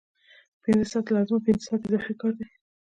پنځه ساعته لازم او پنځه ساعته اضافي کار دی